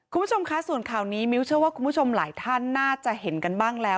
คุณผู้ชมคะส่วนข่าวนี้มิ้วเชื่อว่าคุณผู้ชมหลายท่านน่าจะเห็นกันบ้างแล้ว